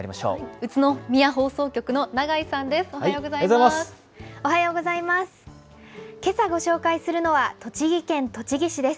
宇都宮放送局の長井さんです。